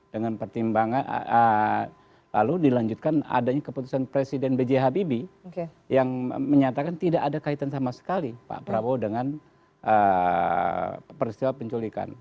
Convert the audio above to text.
dengan pertimbangan lalu dilanjutkan adanya keputusan presiden b j habibie yang menyatakan tidak ada kaitan sama sekali pak prabowo dengan peristiwa penculikan